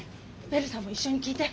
ベルさんも一緒に聞いて。